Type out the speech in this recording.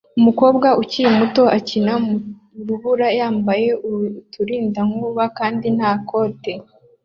Umukobwa ukiri muto akina mu rubura yambaye uturindantoki kandi nta kote